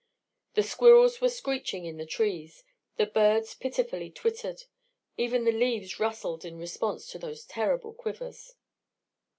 The squirrels were screeching in the trees. The birds pitifully twittered. Even the leaves rustled in response to those terrible quivers.